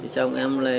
xong em lấy